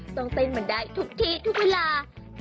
ต้องเป็นเหมือนได้ทุกทีทุกเวลา